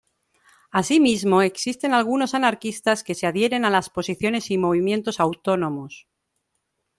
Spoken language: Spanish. Así mismo existen algunos anarquistas que se adhieren a las posiciones y movimientos autónomos.